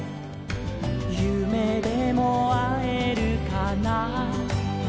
「ゆめでもあえるかな」